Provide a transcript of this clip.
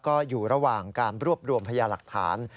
ก็อยู่ระหว่างการรวบรวมพยาหลักฐาน